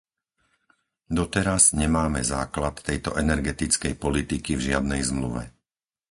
Doteraz nemáme základ tejto energetickej politiky v žiadnej zmluve.